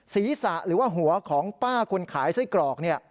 ศีรษะหรือว่าหัวของป้าคุณขายไส้กรอก